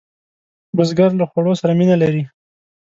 بزګر له خوړو سره مینه لري